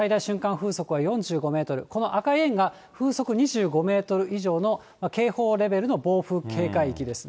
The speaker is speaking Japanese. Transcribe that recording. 風速は４５メートル、この赤い円が２５メートル以上の警報レベルの暴風警戒域です。